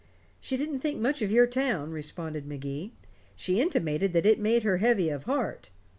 "She didn't think much of your town," responded Magee; "she intimated that it made her heavy of heart."